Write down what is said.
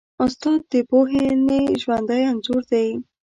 استاد د پوهنې ژوندی انځور دی.